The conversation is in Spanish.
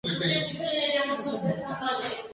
Orwell durante toda la noche.